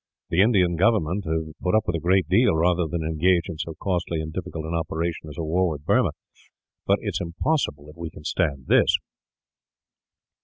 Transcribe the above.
The Indian government have put up with a great deal, rather than engage in so costly and difficult an operation as a war with Burma, but it is impossible that we can stand this."